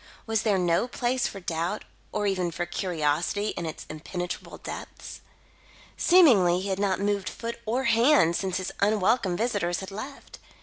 Was there no place for doubt or even for curiosity, in its impenetrable depths? Seemingly, he had not moved foot or hand since his unwelcome visitors had left.